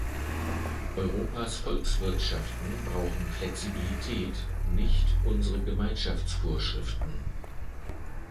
Europas Volkswirtschaften brauchen Flexibilität, nicht unsere Gemeinschaftsvorschriften.